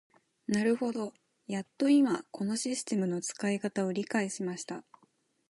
なるほど、やっと今このシステムの使い方を理解しました。